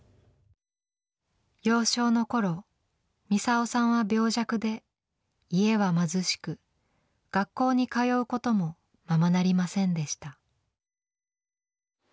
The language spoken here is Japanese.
幼少の頃ミサオさんは病弱で家は貧しく学校に通うこともままなりませんでした。